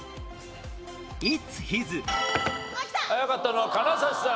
早かったのは金指さん。